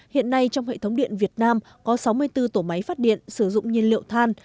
hiện nay trong hệ thống điện việt nam có sáu mươi bốn tổ máy phát điện sử dụng nhiên liệu than